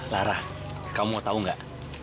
lara kamu mau tahu enggak